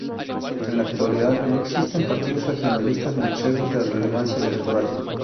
En la actualidad, no existen partidos regionalistas manchegos de relevancia electoral.